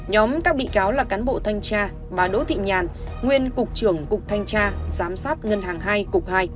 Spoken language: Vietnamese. nhóm các bị cáo là cán bộ thanh tra bà đỗ thị nhàn nguyên cục trưởng cục thanh tra giám sát ngân hàng hai cục hai